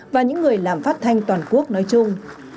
và những người làm phát thanh toàn quốc nói chung